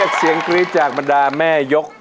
เสียงกรี๊ดจากบรรดาแม่ยก